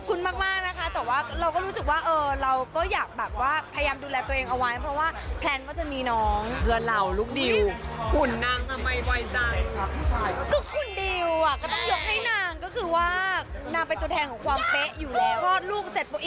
หุ่นแบบเฮ้ยนี่คนเพิ่งคลอดลูกเหรอ